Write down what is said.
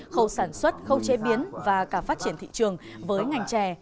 khâu sản xuất khâu chế biến và cả phát triển thị trường với ngành chè